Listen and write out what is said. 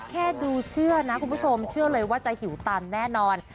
แค่ดูเชื่อนะคุณผู้ชมเชื่อเลยว่าจะหิวตามแน่นอน